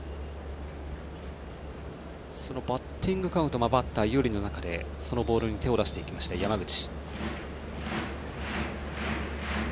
そのバッティングカウントバッター有利な中でそのボールに手を出した山口。